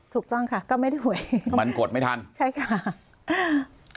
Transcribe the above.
ถูกต้องค่ะก็ไม่ได้หวยมันกดไม่ทันใช่ค่ะอ่า